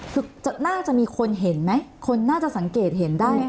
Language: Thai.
คือน่าจะมีคนเห็นไหมคนน่าจะสังเกตเห็นได้ไหมคะ